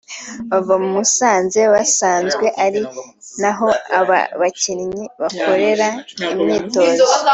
Bava Musanze hasanzwe ari naho aba bakinnyi bakorera imyitozo